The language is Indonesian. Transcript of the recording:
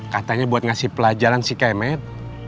katanya buat ngasih pelajaran sih kayak matt